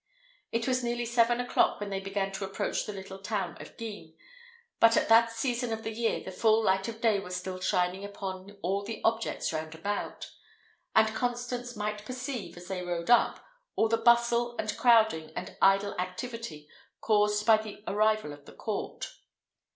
It was nearly seven o'clock when they began to approach the little town of Guisnes, but at that season of the year the full light of day was still shining upon all the objects round about; and Constance might perceive, as they rode up, all the bustle, and crowding, and idle activity caused by the arrival of the court.